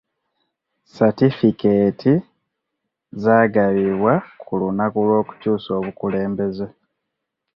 Satifukeeti zaagabibwa ku lunaku lw'okukyusa obukulembeze.